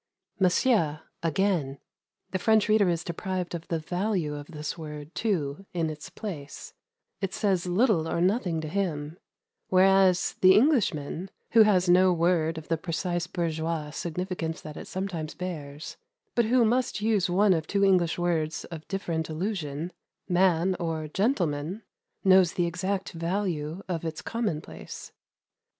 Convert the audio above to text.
"Monsieur," again; the French reader is deprived of the value of this word, too, in its place; it says little or nothing to him, whereas the Englishman, who has no word of the precise bourgeois significance that it sometimes bears, but who must use one of two English words of different allusion man or I gentleman knows the exact value of its commonplace.